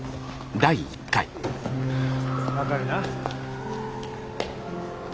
分かるな？